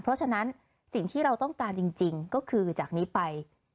เพราะฉะนั้นสิ่งที่เราต้องการจริงก็คือจากนี้ไป